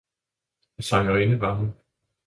og sangerinde var hun.